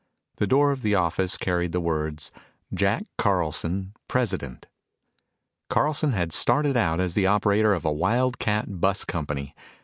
The door of the office carried the words, "Jack Carlson, President." Carlson had started out as the operator of a wildcat bus company.